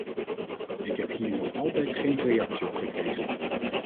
Ik heb hier nog altijd geen reactie op gekregen.